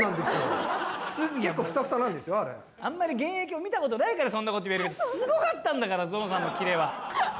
あんまり現役を見たことないからそんなこと言えるけどすごかったんだからゾノさんのキレは！